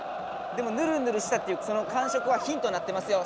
でもヌルヌルしたっていうその感触はヒントになってますよ。